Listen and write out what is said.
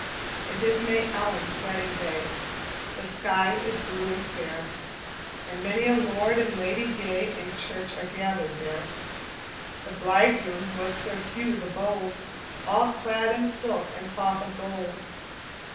"It is May Ellen's wedding day, The sky is blue and fair, And many a lord and lady gay In church are gathered there. The bridegroom was Sir Hugh the Bold, All clad in silk and cloth of gold.